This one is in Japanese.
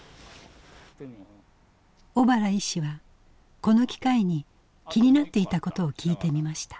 小原医師はこの機会に気になっていたことを聞いてみました。